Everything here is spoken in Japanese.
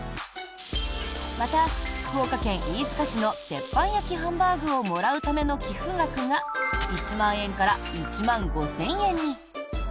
また、福岡県飯塚市の鉄板焼きハンバーグをもらうための寄付額が１万円から１万５０００円に。